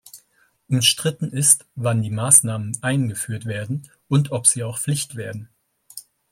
Umstritten ist, wann die Maßnahmen eingeführt werden und ob sie auch Pflicht werden.